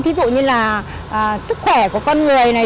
thí dụ như là sức khỏe của con người này